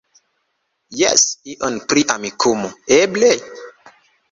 Jes, ion pri Amikumu, eble?